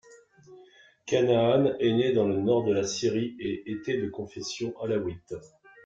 Kanaan est né dans le nord de la Syrie et était de confession alaouite.